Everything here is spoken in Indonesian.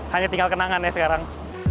hanya tinggal kenangan ya sekarang